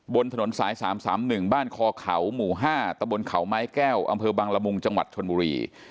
บนถนนสาย๓๓๑บ้านคอเขาหมู่๕ตะบนเขาไม้แก้วอำเภอบังละมุงจังหวัดชนบุรี